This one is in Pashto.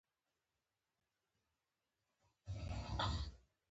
که یو هندی روغتیايي مرکز ته لاړ شي ډاکټر پیدا نه کړي.